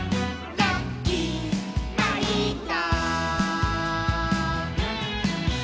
「ラッキーまいど」